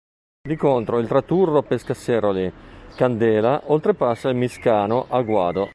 Di contro il tratturo Pescasseroli-Candela oltrepassa il Miscano a guado.